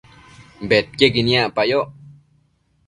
bedquiequi niacpayoc